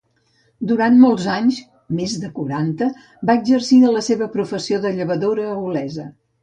Durant molts anys, més de quaranta, va exercir la seva professió de llevadora a Olesa.